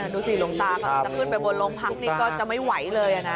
ดูสิลงตาถ้าพึ่งไปบนโรงพักนี้ก็จะไม่ไหวเลยนะ